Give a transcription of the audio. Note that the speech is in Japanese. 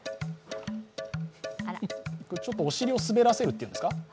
ちょっとお尻を滑らせるというんですか？